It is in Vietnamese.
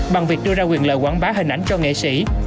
bằng việc đưa ra quyền lợi quảng bá hình ảnh cho nghệ sĩ